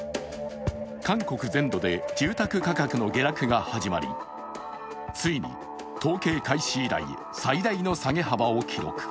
韓国全土で住宅価格の下落が始まり、ついに統計開始以来、最大の下げ幅を記録。